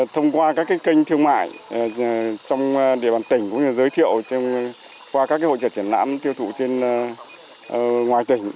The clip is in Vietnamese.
thông qua các kênh thương mại trong địa bàn tỉnh cũng như giới thiệu qua các hội trợ triển lãm tiêu thụ trên ngoài tỉnh